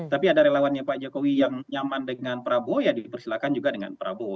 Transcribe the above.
tapi ada relawannya pak jokowi yang nyaman dengan prabowo ya dipersilakan juga dengan prabowo